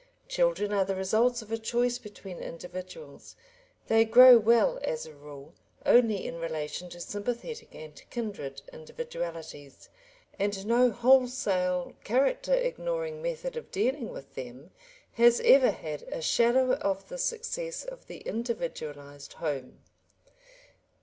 Children are the results of a choice between individuals; they grow well, as a rule, only in relation to sympathetic and kindred individualities, and no wholesale character ignoring method of dealing with them has ever had a shadow of the success of the individualised home.